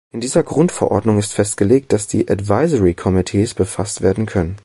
In dieser Grundverordnung ist festgelegt, dass die Advisory Committees befasst werden können.